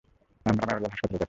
আমরা মেমোরিয়াল হাসপাতালে যাচ্ছি।